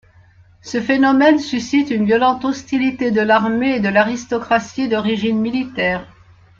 Ce phénomène suscite une violente hostilité de l’armée et de l’aristocratie d’origine militaire.